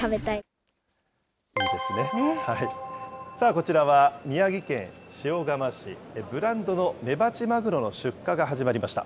こちらは宮城県塩釜市、ブランドのメバチマグロの出荷が始まりました。